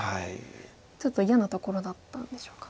ちょっと嫌なところだったんでしょうか。